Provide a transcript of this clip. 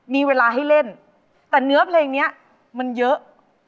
มีเวลาให้เล่นแต่เนื้อเพลงนี้มันเยอะ